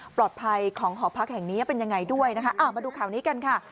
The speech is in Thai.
ปลอดภัยของหอพักแห่งนี้เป็นยังไงด้วยนะคะมาดูข่าวนี้กันค่ะ